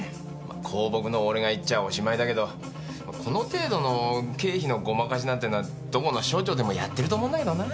公僕の俺が言っちゃおしまいだけどこの程度の経費のごまかしなんてのはどこの省庁でもやってると思うんだけどなぁ。